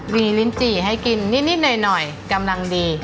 มีลิ้นจี่ให้กินนิดหน่อยกำลังดี